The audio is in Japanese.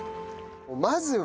まずは。